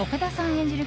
演じる